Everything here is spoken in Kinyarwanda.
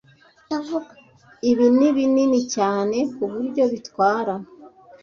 Ibi ni binini cyane ku buryo bitwara.